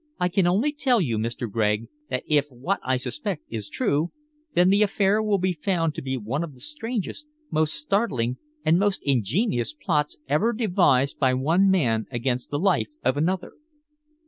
"I can only tell you, Mr. Gregg, that if what I suspect is true, then the affair will be found to be one of the strangest, most startling and most ingenious plots ever devised by one man against the life of another."